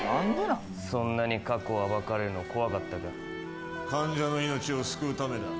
そんなに過去を暴かれるの怖かったか患者の命を救うためだ